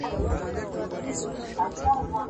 دا خواړه له هغو تازه دي!